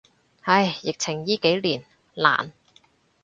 唉，疫情依幾年，難。